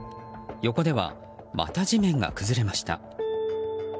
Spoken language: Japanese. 横では、また地面が崩れました。